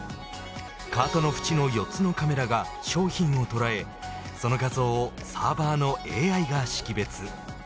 カートの縁の４つのカメラが商品を捉えその画像をサーバーのＡＩが識別。